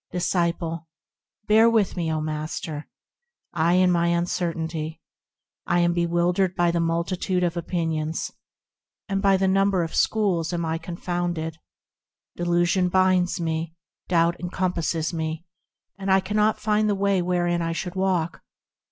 Disciple. Bear with me, O Master ! in my uncertainty. I am bewildered by the multitude of opinions, And by the number of schools am I confounded; Delusion blinds me, doubt encompasses me, And I cannot find the way wherein I should walk.